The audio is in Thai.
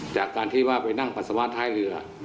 จากการที่ว่าไปนั่งปัสสาวะท้ายเรือ